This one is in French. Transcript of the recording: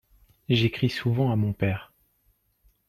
J'écris souvent à mon père.